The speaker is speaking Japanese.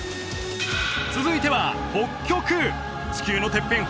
続いては地球のてっぺん